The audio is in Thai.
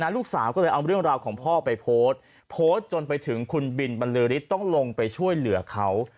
ลูกสาวก็เลยเอาเรื่องราวของพ่อไปโพสต์โพสต์จนไปถึงคุณบินบรรลือฤทธิ์ต้องลงไปช่วยเหลือเขา